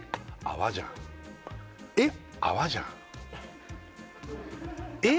泡じゃんえっ泡じゃんえ！